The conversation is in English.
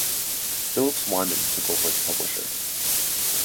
Phillips Wyman took over as publisher.